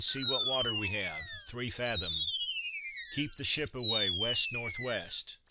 see what water we have!" "Three fathom." "Keep the ship away, west north west."